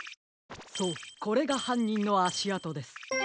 そうこれがはんにんのあしあとです。